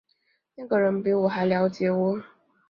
那个人比我还瞭解我